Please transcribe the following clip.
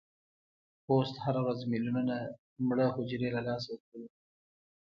پوست هره ورځ ملیونونه مړه حجرې له لاسه ورکوي.